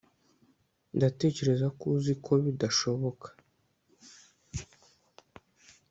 ndatekereza ko uzi ko bidashoboka